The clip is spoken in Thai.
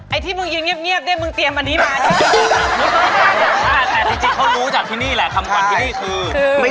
ไอ้ที่มึงยืนเงียบได้มึงเตรียมอันนี้มา